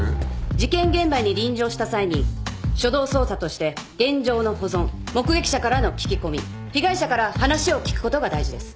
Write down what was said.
事件現場に臨場した際に初動捜査として現場の保存目撃者からの聞き込み被害者から話を聞くことが大事です。